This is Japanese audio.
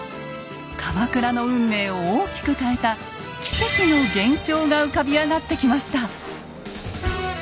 鎌倉の運命を大きく変えた奇跡の現象が浮かび上がってきました。